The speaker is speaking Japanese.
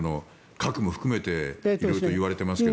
核も含めて色々と言われていますが。